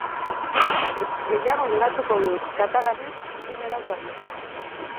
Gehiago ligatuko dut katalanez txineraz baino.